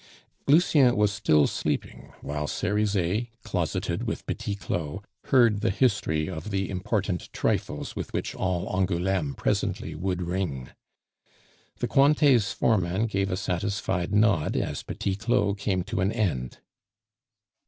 Lucien was still sleeping while Cerizet, closeted with Petit Claud, heard the history of the important trifles with which all Angouleme presently would ring. The Cointets' foreman gave a satisfied nod as Petit Claud came to an end.